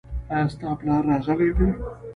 ایا ستا پلار راغلی دی ؟